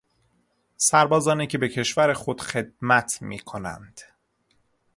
سربازانی که به کشور خود خدمت میکنند